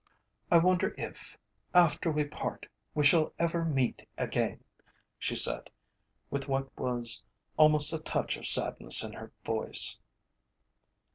"I wonder if, after we part, we shall ever meet again?" she said, with what was almost a touch of sadness in her voice.